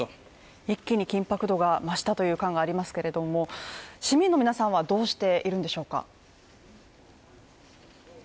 一気に緊迫度が増したという感がありますけれども市民の皆さんはどうしているんでしょうか？